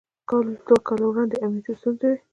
کال دوه کاله وړاندې امنيتي ستونزې وې.